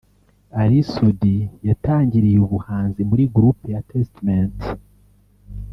Ally Soudy yatangiriye ubuhanzi muri Groupe ya Testament